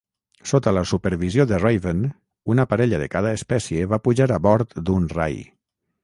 Sota la supervisió de Raven, una parella de cada espècie va pujar a bord d'un rai.